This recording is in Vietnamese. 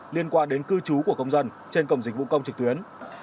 liên quan đến cư trú của công dân trên cổng dịch vụ công trực tuyến